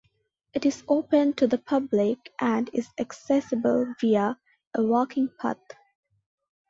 It is open to the public and is accessible via a walking path.